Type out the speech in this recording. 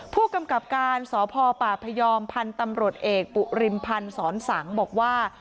ผู้กำกับการสพปพยอมพันธุ์ตำรวจเอกปุริมพันธ์สอนสังบอกว่า